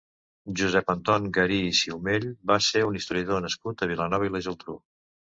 Josep Anton Garí i Siumell va ser un historiador nascut a Vilanova i la Geltrú.